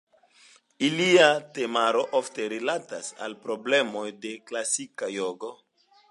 Ilia temaro ofte rilatas al problemoj de la klasika jogo.